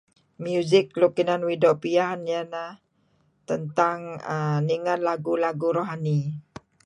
music luk inan uih do' pian ieh ineh tentang um ni'nger lagu-lagu rohani